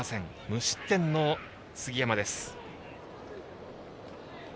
無失点の杉山です。